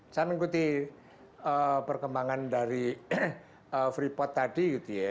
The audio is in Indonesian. saya mengikuti perkembangan dari freeport tadi